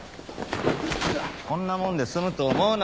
こんなもんで済むと思うな！